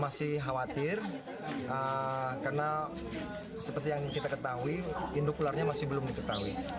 masih khawatir karena seperti yang kita ketahui induk ularnya masih belum diketahui